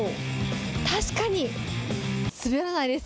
確かに、滑らないです。